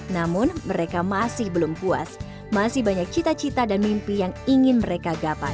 namun mereka masih belum puas masih banyak cita cita dan mimpi yang ingin mereka gapai